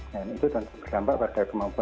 dan itu tentu berdampak pada kemampuan kita